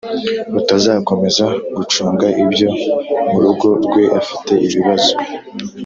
utazakomeza gucunga ibyo mu rugo rwe afite ibibazo